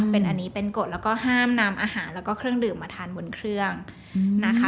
เป็นอันนี้เป็นกฎแล้วก็ห้ามนำอาหารแล้วก็เครื่องดื่มมาทานบนเครื่องนะคะ